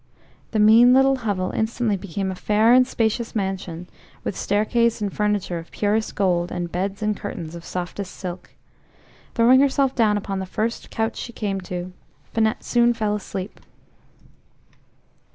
The mean little hovel instantly became a fair and spacious mansion, with staircase and furniture of purest gold, and beds and curtains of softest silk. Throwing herself down upon the first couch she came to, Finette soon fell asleep.